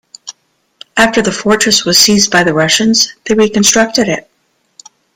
After the fortress was seized by the Russians they reconstructed it.